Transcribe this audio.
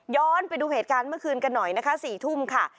ไปดูเหตุการณ์เมื่อคืนกันหน่อยนะคะ๔ทุ่มค่ะ